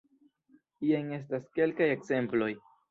Jen estas kelkaj ekzemploj.